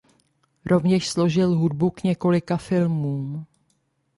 Rovněž složil hudbu k několika filmům.